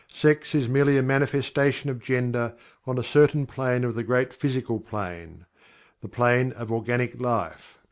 Sex is merely a manifestation of Gender on a certain plane of the Great Physical Plane the plane of organic life.